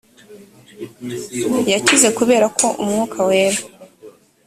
yakize kubera ko umwuka wera